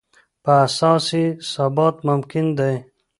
په اساس یې ثبات ممکن دی.